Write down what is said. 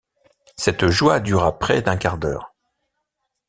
Cette joie dura près d’un quart d’heure.